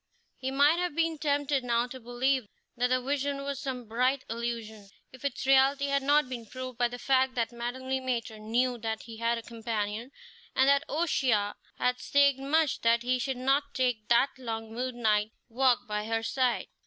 He might have been tempted now to believe that the vision was some bright illusion, if its reality had not been proved by the fact that Madame Le Maître knew that he had a companion, and that O'Shea had staked much that he should not take that long moonlight walk by her side.